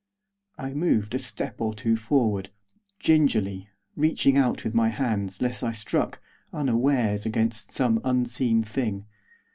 I moved a step or two forward, gingerly, reaching out with my hands, lest I struck, unawares, against some unseen thing.